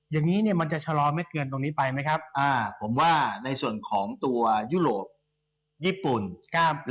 อย่างนี้มันจะชะลอเม็ดเงินตรงนี้ไปไหมครับ